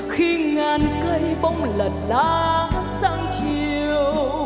khi ngàn cây bóng lật lá sáng chiều